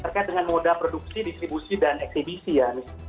terkait dengan moda produksi distribusi dan eksibisi ya